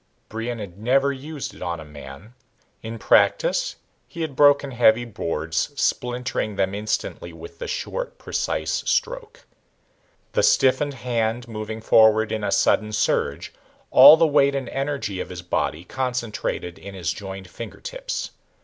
Brion had never used it on a man. In practice he had broken heavy boards, splintering them instantly with the short, precise stroke. The stiffened hand moving forward in a sudden surge, all the weight and energy of his body concentrated in his joined fingertips.